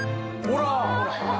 ほら！